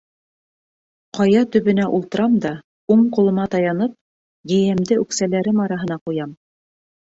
— Ҡая төбөнә ултырам да, уң ҡулыма таянып, йәйәмде үксәләрем араһына ҡуям.